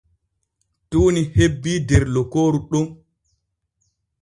Tuuni hebbii der lokooru ɗon.